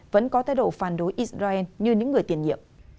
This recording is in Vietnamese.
vẫn có thái độ phản đối israel như những người tiền nhiệm